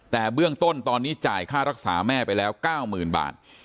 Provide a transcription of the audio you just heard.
แต่เบื้องต้นตอนนี้จ่ายค่ารักษาแม่ไปแล้ว๙๐๐๐บาท